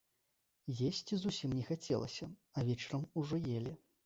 Есці зусім не хацелася, а вечарам ужо елі.